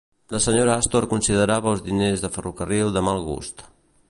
La Senyora Astor considerava els diners de ferrocarril de mal gust.